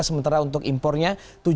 sementara untuk impornya tujuh puluh dua lima